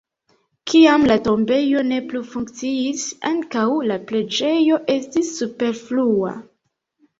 Kiam la tombejo ne plu funkciis, ankaŭ la preĝejo estis superflua.